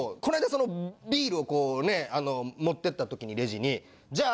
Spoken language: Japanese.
そのビールをこうね持ってった時にレジにじゃあ。